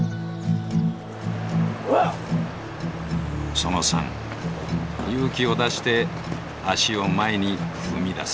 その３「勇気を出して足を前に踏み出す」。